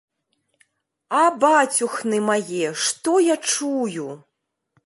А бацюхны мае, што я чую?